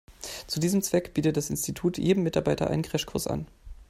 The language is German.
Zu diesem Zweck bietet das Institut jedem Mitarbeiter einen Crashkurs an.